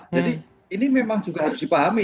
jadi ini memang juga harus dipahami